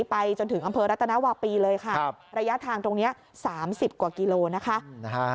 ไปจนถึงอำเภอรัตนวาปีเลยค่ะระยะทางตรงนี้๓๐กว่ากิโลนะคะ